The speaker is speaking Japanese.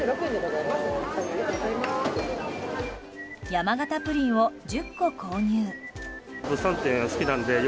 山形プリンを１０個購入。